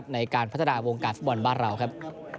ในการพัฒนาวงการฟุตบอลบ้านเราครับ